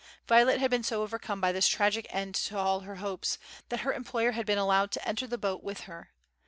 Violet had been so overcome by this tragic end to all her hopes, that her employer had been allowed to enter the boat with her.